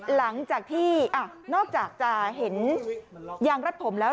หลังจากที่นอกจากจะเห็นยางรัดผมแล้ว